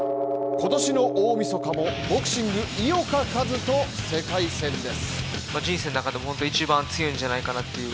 今年の大晦日もボクシング井岡一翔世界戦です